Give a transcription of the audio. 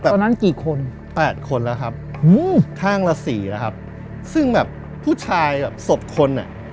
ตอนนั้นกี่คนแปดคนแล้วครับข้างละสี่แล้วครับซึ่งแบบผู้ชายแบบศพคนอ่ะ